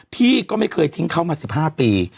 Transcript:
พี่ก็ไม่เคยทิ้งเขามา๑๕ปี